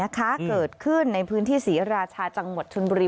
เกิดขึ้นในพื้นที่ศรีราชาจังหวัดชนบุรี